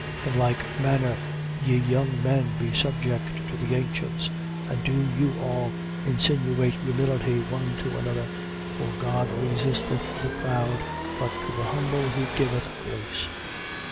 5:5. In like manner, ye young men, be subject to the ancients. And do you all insinuate humility one to another: for God resisteth the proud, but to the humble he giveth grace.